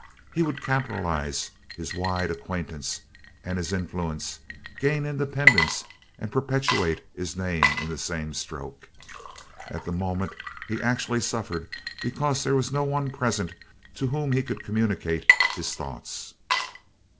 He would capitalize his wide acquaintance and his influence, gain independence and perpetuate his name in the same stroke. At the moment he actually suffered because there was no one present to whom he could communicate his thoughts.